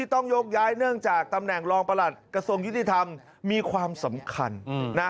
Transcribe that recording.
ต้องยกย้ายเนื่องจากตำแหน่งรองประหลัดกระทรวงยุติธรรมมีความสำคัญนะ